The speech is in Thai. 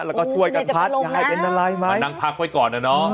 แล้วก็ช่วยกันพัดยายเป็นอะไรมานั่งพักไว้ก่อนนะเนาะ